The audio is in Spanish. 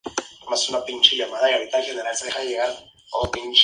Esto incluye las mezquitas adornadas, las tumbas islámicas e iglesias rupestres.